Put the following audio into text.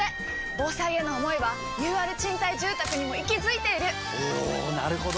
防災への想いはＵＲ賃貸住宅にも息づいているおなるほど！